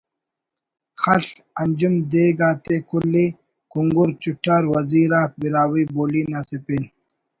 خل/ انجمؔ دیگ آتے کُل ءِ کُنگر چٹّار وزیر آک براہوئی بولی نا اسہ پین